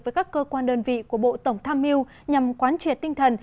với các cơ quan đơn vị của bộ tổng tham mưu nhằm quán triệt tinh thần